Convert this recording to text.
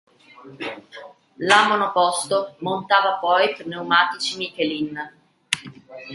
La monoposto montava poi pneumatici Michelin.